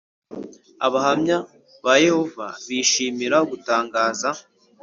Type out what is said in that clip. Abahamya ba Yehova bishimira gutangaza